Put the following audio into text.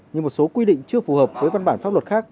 nhưng một số quy định chưa phù hợp với văn bản pháp luật khác